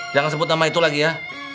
jangan sebut nama itu lagi ya